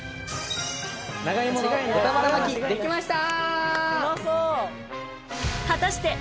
長芋の豚バラ巻きできました！